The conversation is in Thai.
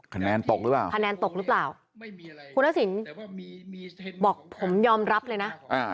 คะแนนตกหรือเปล่าคะแนนตกหรือเปล่าคุณทักษิณบอกผมยอมรับเลยนะ